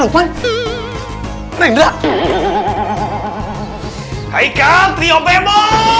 hai hai kan trio pemo